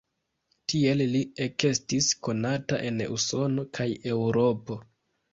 Tiel li ekestis konata en Usono kaj Eŭropo.